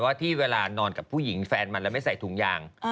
ที่เวลานอนกับผู้หญิงแฟนมันแล้วไม่ใส่ถุงยาง